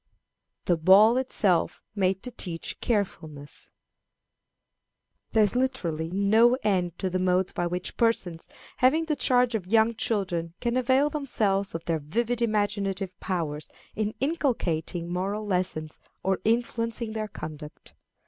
The Ball itself made to teach Carefulness. There is literally no end to the modes by which persons having the charge of young children can avail themselves of their vivid imaginative powers in inculcating moral lessons or influencing their conduct.